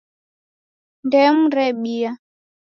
Ndemu rebia